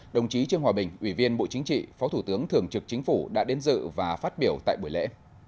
đồng chí trương hòa bình ủy viên bộ chính trị phó thủ tướng thường trực chính phủ đã đến dự và phát biểu tại buổi lễ